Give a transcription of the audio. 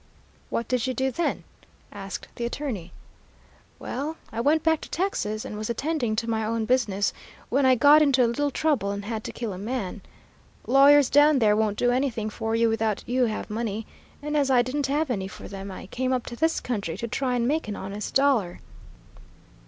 "'What did you do then?' asked the attorney. "'Well, I went back to Texas, and was attending to my own business, when I got into a little trouble and had to kill a man. Lawyers down there won't do anything for you without you have money, and as I didn't have any for them, I came up to this country to try and make an honest dollar.'